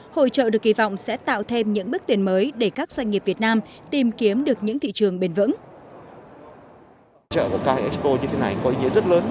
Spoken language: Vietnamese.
hội trợ được kỳ vọng sẽ tạo thêm những bước tiền mới để các doanh nghiệp việt nam tìm kiếm được những thị trường bền vững